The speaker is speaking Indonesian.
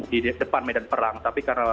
di depan medan perang tapi karena